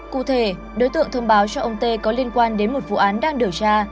cụ thể đối tượng thông báo cho ông tê có liên quan đến một vụ án đang điều tra